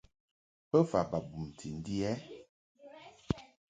Bofa ba bumti ndi ɛ?